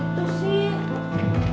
ibu pasti berhenti